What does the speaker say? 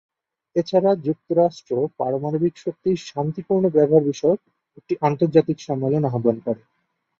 এছাড়া যুক্তরাষ্ট্র পারমাণবিক শক্তির শান্তিপূর্ণ ব্যবহার বিষয়ক একটি আন্তর্জাতিক সম্মেলন আহবান করে।